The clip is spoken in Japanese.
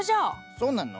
そうなの？